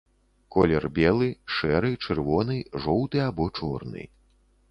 Колер белы, шэры, чырвоны, жоўты або чорны.